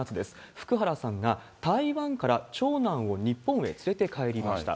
福原さんが台湾から長男を日本へ連れて帰りました。